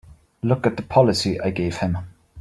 Look at the policy I gave him!